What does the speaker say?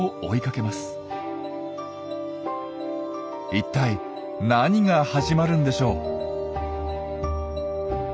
一体何が始まるんでしょう？